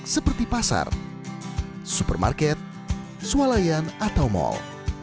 seperti pasar supermarket sualayan atau mal